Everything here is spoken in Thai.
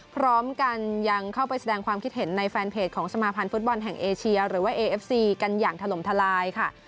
พร้อมกันยังเข้าไปแสดงความคิดเห็นในแฟนเพจของสมาพันธ์ฟุตบอลแห่งเอเชียหรือว่าเอเอฟซีกันอย่างถล่มทลายค่ะ